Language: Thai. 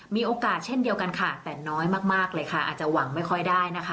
มีโอกาสเช่นเดียวกันค่ะแต่น้อยมากเลยค่ะอาจจะหวังไม่ค่อยได้นะคะ